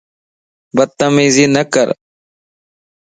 بتميزي نَڪر